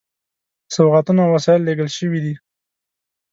سوغاتونه او وسایل لېږل شوي دي.